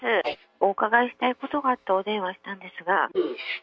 お伺いしたいことがあってお電話したんですが。